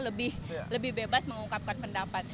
lebih bebas mengungkapkan pendapat